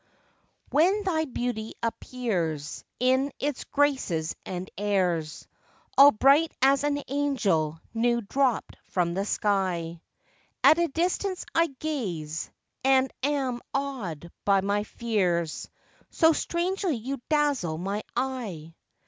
When thy beauty appears In its graces and airs, All bright as an angel new dropt from the sky; At a distance I gaze, and am aw'd by my fears, So strangely you dazzle my eye!